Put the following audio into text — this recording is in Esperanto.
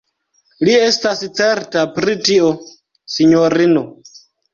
Li estas certa pri tio, sinjorino.